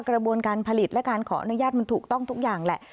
กระบวนการผลิตและการขออนุญาตมันถูกต้องทุกอย่างแหละ